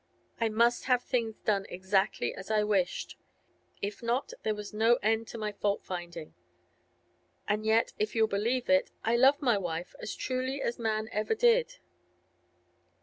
I must have things done exactly as I wished; if not, there was no end to my fault finding. And yet, if you'll believe it, I loved my wife as truly as man ever did.